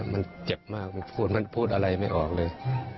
มันเจ็บมากเภปุ้นพูดอะไรไม่ออกเลย